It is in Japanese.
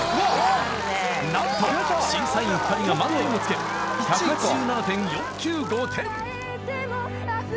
なんと審査員の２人が満点をつけ１８７．４９５点。